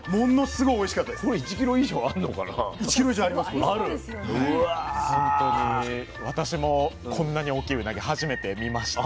ほんとに私もこんなに大きいうなぎ初めて見ました。